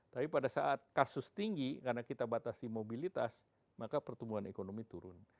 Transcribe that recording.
tapi pada saat kasus tinggi karena kita batasi mobilitas maka pertumbuhan ekonomi turun